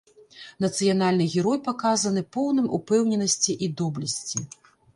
Нацыянальны герой паказаны поўным упэўненасці і доблесці.